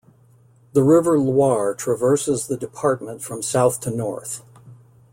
The River Loire traverses the department from south to north.